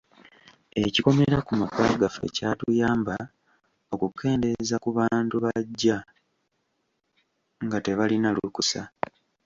Ekikomera ku maka gaffe kyatuyamba okukendeeza ku bantu bajja nga tebalina lukusa.